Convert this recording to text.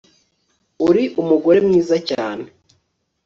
Uri umugore mwiza cyane